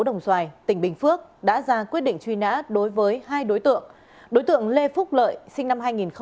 đồng xoài tỉnh bình phước đã ra quyết định truy nã đối với hai đối tượng đối tượng lê phúc lợi sinh